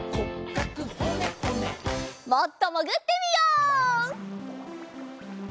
もっともぐってみよう。